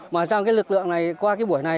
mà trong lực lượng này qua buổi này